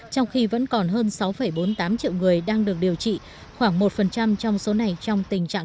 trong khi vẫn còn hơn sáu bốn mươi tám triệu người đang được điều trị khoảng một trong số này trong tình trạng